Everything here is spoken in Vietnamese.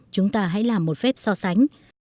chúng ta hãy làm một phép so sánh